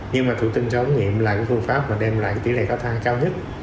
nhưng mà thủ tinh cho ống nghiệm là cái phương pháp mà đem lại tỷ lệ cao thai cao nhất